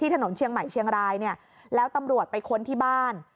ถนนเชียงใหม่เชียงรายเนี่ยแล้วตำรวจไปค้นที่บ้าน